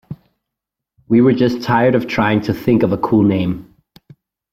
We were just tired of trying to think of a cool name.